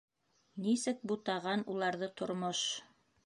Нисек бутаған уларҙы тормош!